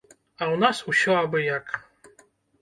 А ў нас усё абы-як.